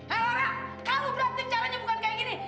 era kamu berarti caranya bukan kayak gini